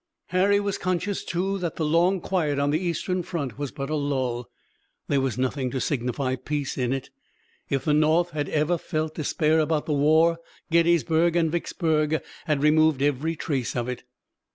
Harry was conscious, too, that the long quiet on the Eastern front was but a lull. There was nothing to signify peace in it. If the North had ever felt despair about the war Gettysburg and Vicksburg had removed every trace of it.